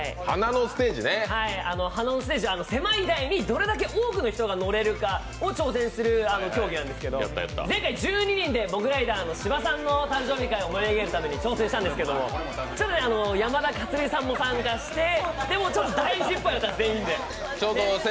華のステージ、狭い台にどれだけ人が乗れるか挑戦する競技なんですけど、前回１２人でモグライダーの芝さんの誕生日会を盛り上げるために挑戦したんですけど山田勝己さんも参加してでも大失敗したんです、全員で。